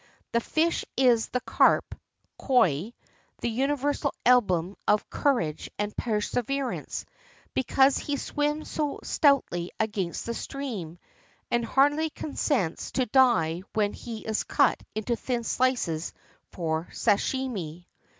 The fish is the carp (koi) the universal emblem of cour age and perseverance, because he swims so stoutly against the stream, and hardly consents to die when he is cut into thin sHces for sashimi.